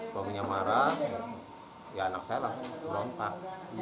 suaminya marah ya anak saya lah berontak